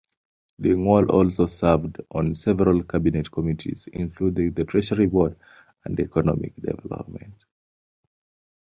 Dingwall also served on several cabinet committees, including the Treasury Board and Economic Development.